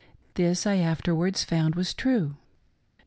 This I after wards found was true.